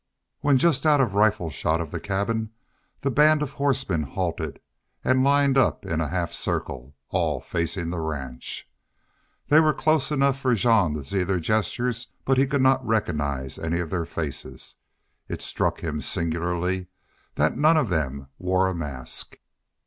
When just out of rifle shot of the cabins the band of horsemen halted and lined up in a half circle, all facing the ranch. They were close enough for Jean to see their gestures, but he could not recognize any of their faces. It struck him singularly that not one of them wore a mask.